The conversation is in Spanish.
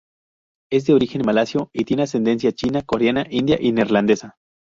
Es de origen malasio y tiene ascendencia china, coreana, india y neerlandesa.